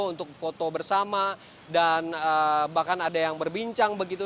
untuk foto bersama dan bahkan ada yang berbincang begitu